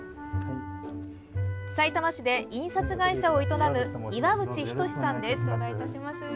さいたま市で印刷会社を営む岩渕均さんです。